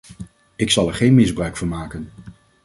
Ik zal er geen misbruik van maken.